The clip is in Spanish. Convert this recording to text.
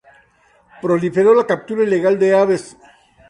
Proliferó la captura ilegal de aves.